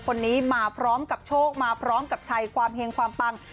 คนนี้มาพร้อมกับโชคมาพร้อมกับชัยความเฮงความปัง